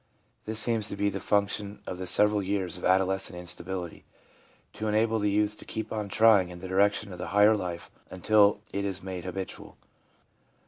This seems to be the function of the several years of adolescent insta bility — to enable the youth to keep on trying in the direction of the higher life until it is made habitual.